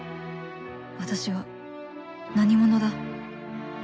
私は何者だ？